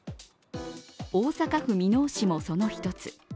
大阪府箕面市もその１つ。